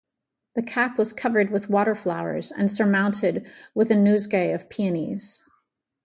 The cap was covered with water-flowers and surmounted with a nosegay of peonies.